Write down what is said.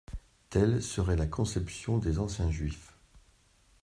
Telle serait la conception des anciens juifs.